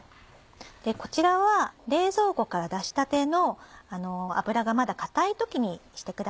こちらは冷蔵庫から出したての脂がまだ硬い時にしてください。